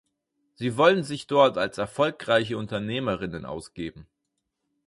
Sie wollen sich dort als erfolgreiche Unternehmerinnen ausgeben.